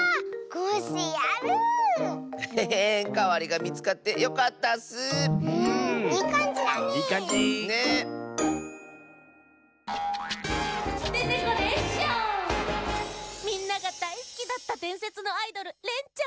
みんながだいすきだったでんせつのアイドルレンちゃん。